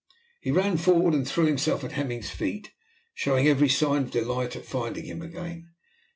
He ran forward and threw himself at Hemming's feet, showing every sign of delight at finding him again.